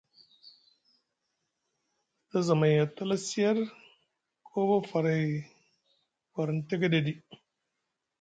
Sda zamay a tala siyer, koo ɓa faray warni tekeɗe ɗi.